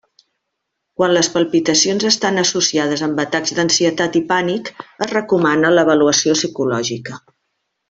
Quan les palpitacions estan associades amb atacs d'ansietat i pànic, es recomana l'avaluació psicològica.